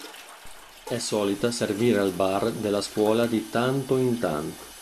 È solita servire al bar della scuola di tanto in tanto.